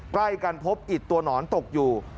ใกล้กันพบอิดตัวหนอนตกอยู่